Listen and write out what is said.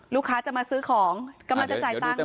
ลูกค้าจะมาซื้อของกำลังจะจ่ายตังค์